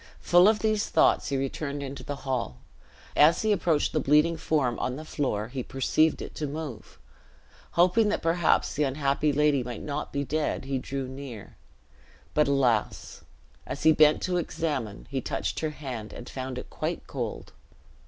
Full of these thoughts he returned into the hall. As he approached the bleeding form on the floor, he perceived it to move; hoping that perhaps the unhappy lady might not be dead, he drew near; but, alas! as he bent to examine, he touched her hand and found it quite cold.